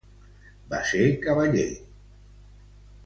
Va ser cavaller de l'Orde de Santiago.